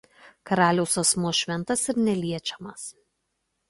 Karaliaus asmuo šventas ir neliečiamas.